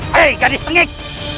hei gadis tengik